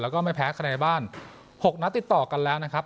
แล้วก็ไม่แพ้คะแนนบ้าน๖นัดติดต่อกันแล้วนะครับ